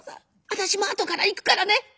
私も後から逝くからね。